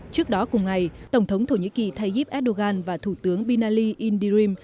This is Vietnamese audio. trước đó cùng ngày tổng thống thổ nhĩ kỳ tayyip erdogan và thủ tướng binali indirim